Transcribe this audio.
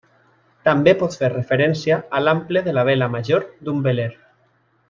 També pot fer referència a l'ample de la vela major d'un veler.